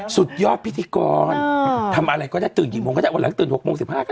สุดยอดพิธีกรอ่าทำอะไรก็ได้ตื่นกี่โมงก็ได้วันหลังตื่นหกโมงสิบห้าก็ได้